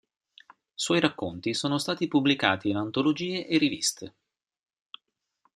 Suoi racconti sono stati pubblicati in antologie e riviste.